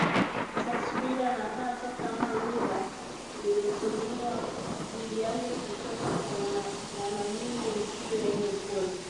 tasfida na hata kama lugha inayotumiwa dhidi yake kutoka kwa mwanamume isiwe yenye upole